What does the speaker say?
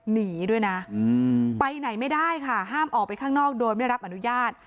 หนีด้วยนะไปไหนไม่ได้ค่ะห้ามออกไปข้างนอกโดยไม่รับอนุญาต